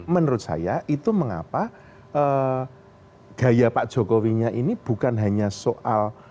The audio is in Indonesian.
menurut saya itu mengapa gaya pak jokowinya ini bukan hanya soal